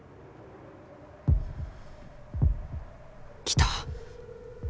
来た